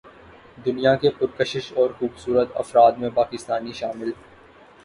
دنیا کے پرکشش اور خوبصورت افراد میں پاکستانی شامل